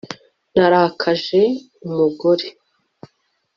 Narakaje umugore